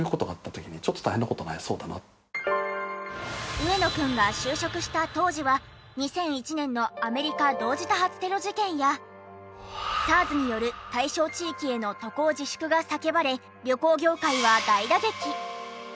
上野くんが就職した当時は２００１年のアメリカ同時多発テロ事件やＳＡＲＳによる対象地域への渡航自粛が叫ばれ旅行業界は大打撃。